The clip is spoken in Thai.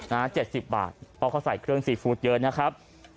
๗๐บาทเพราะเขาใส่เครื่องซีฟู้ดเยอะนะครับ